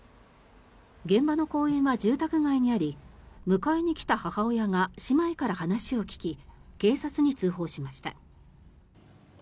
現場の公園は住宅街にあり迎えに来た母親が姉妹から話を聞き警察に通報しました。